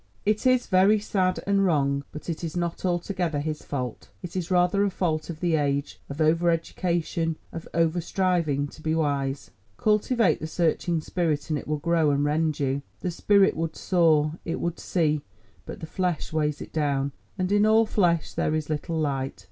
It is very sad and wrong, but it is not altogether his fault; it is rather a fault of the age, of over education, of over striving to be wise. Cultivate the searching spirit and it will grow and rend you. The spirit would soar, it would see, but the flesh weighs it down, and in all flesh there is little light.